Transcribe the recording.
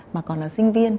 mà còn là sinh viên